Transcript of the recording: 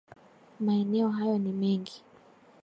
Maeneo hayo ni mengi